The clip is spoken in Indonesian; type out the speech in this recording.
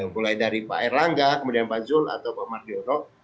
mulai dari pak erlangga kemudian pak zul atau pak mardiono